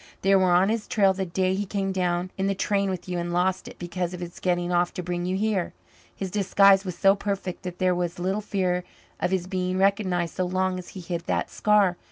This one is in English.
They were on his trail the day he came down in the train with you and lost it because of his getting off to bring you here. His disguise was so perfect that there was little fear of his being recognized so long as he hid that scar.